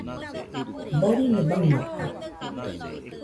Boriño baɨnoka